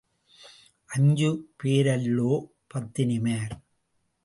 அஞ்சு பேரல்லோ பத்தினிமார்?